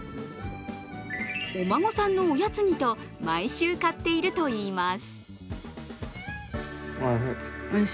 お孫さんのおやつにと毎週買っているといいます。